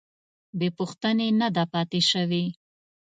بې پوښتنې نه ده پاتې شوې.